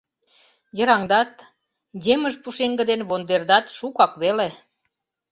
— Йыраҥдат, емыж пушеҥге ден вондердат шукак веле.